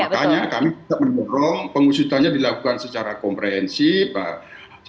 makanya kami menyerang pengusutannya dilakukan secara komprehensif